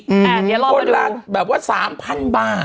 แต่เดี๋ยวเรามาดูคนละแบบว่า๓๐๐๐บาท